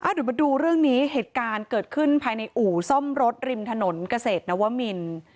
เดี๋ยวมาดูเรื่องนี้เหตุการณ์เกิดขึ้นภายในอู่ซ่อมรถริมถนนเกษตรนวมิน